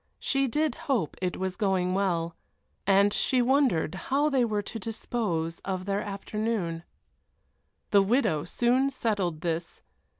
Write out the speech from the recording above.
She did hope it was going well. And she wondered how they were to dispose of their afternoon. The widow soon settled this.